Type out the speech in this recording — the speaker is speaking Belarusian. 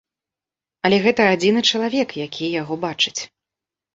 Але гэта адзіны чалавек, які яго бачыць.